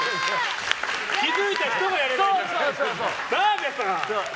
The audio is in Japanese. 気づいた人がやればいいんだから。